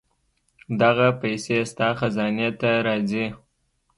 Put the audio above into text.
دغه پېسې ستا خزانې ته راځي.